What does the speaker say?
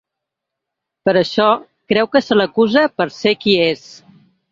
Per això, creu que se l’acusa per ‘ser qui és’.